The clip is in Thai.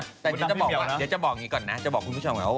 เดี๋ยวจะบอกอย่างนี้ก่อนนะ